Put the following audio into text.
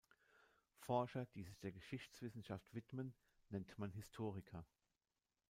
Forscher, die sich der Geschichtswissenschaft widmen, nennt man Historiker.